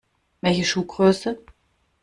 Welche Schuhgröße?